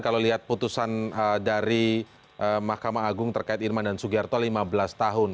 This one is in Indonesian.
kalau lihat putusan dari mahkamah agung terkait irman dan sugiharto lima belas tahun